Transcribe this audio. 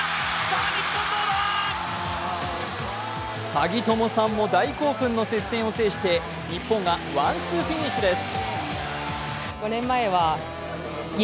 ハギトモさんも大興奮の接戦を制して日本がワンツーフィニッシュです。